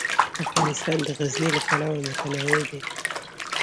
افغانستان د غزني له پلوه متنوع دی.